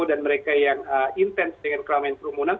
dan mereka yang intens dengan keramain perumunan